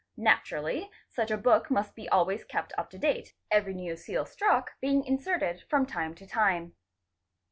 Naturally such a book must be always kept up to date, every new seal struck being inserted from time to time.